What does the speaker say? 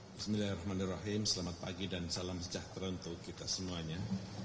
bismillahirrahmanirrahim selamat pagi dan salam sejahtera untuk kita semuanya